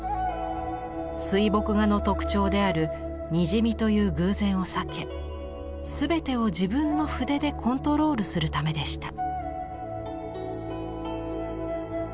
水墨画の特徴であるにじみという偶然を避け全てを自分の筆でコントロールするためでした。